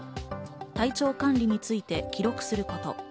体調管理について記録すること。